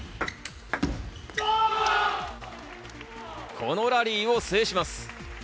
このラリーを制します。